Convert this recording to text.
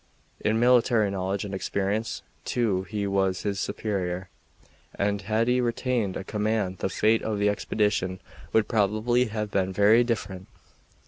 In military knowledge and experience, too, he was his superior, and had he retained a command the fate of the expedition would probably have been very different.